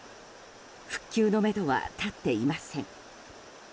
復旧のめどは立っていません。